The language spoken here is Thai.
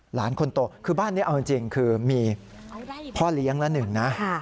หลานคนโตคือบ้านนี้เอาจริงคือมีพ่อเลี้ยงละหนึ่งนะ